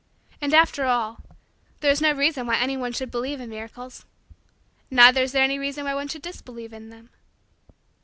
And, after all, there is no reason why anyone should believe in miracles; neither is there any reason why one should disbelieve in them.